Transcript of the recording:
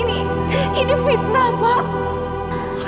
ini fitnah pak